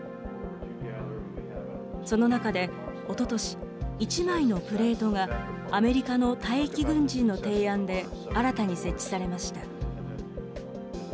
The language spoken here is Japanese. その中でおととし、１枚のプレートがアメリカの退役軍人の提案で新たに設置されました。